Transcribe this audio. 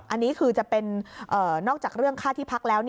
อันนี้คือจะเป็นนอกจากเรื่องค่าที่พักแล้ว